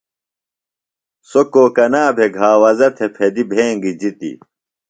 سوۡ کوکنا بھےۡ گھاوزہ تھےۡ پھدِیۡ بھینگیۡ جِتیۡ۔